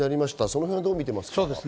それはどうみていますか？